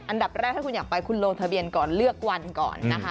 อันดับแรกถ้าคุณอยากไปคุณลงทะเบียนก่อนเลือกวันก่อนนะคะ